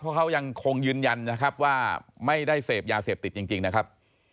เพราะเขายังคงยืนยันนะครับว่าไม่ได้เสพยาเสพติดจริงนะครับ